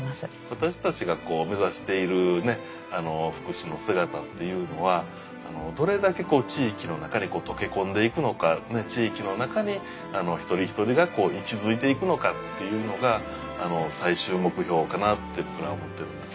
私たちがこう目指している福祉の姿っていうのはどれだけ地域の中に溶け込んでいくのか地域の中で一人一人が息づいていくのかっていうのが最終目標かなって僕らは思ってるんです。